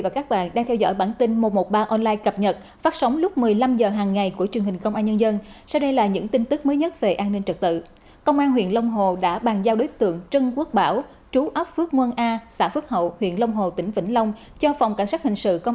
cảm ơn các bạn đã theo dõi